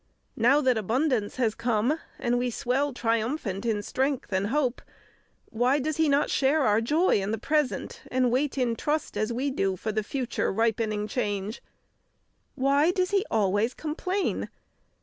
Now that abundance has come, and we swell triumphant in strength and in hope, why does he not share our joy in the present, and wait in trust, as we do, for the future ripening change? Why does he always complain?